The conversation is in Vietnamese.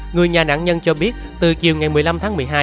người nhà nạn nhân cho biết từ chiều ngày một mươi năm tháng một mươi hai